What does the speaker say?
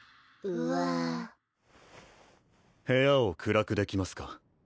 うわあ部屋を暗くできますか？